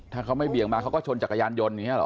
ถ้าเขาไม่เบี่ยงมาเขาก็ชนจักรยานยนต์อย่างนี้หรอ